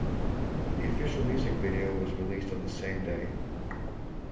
The official music video was released on the same day.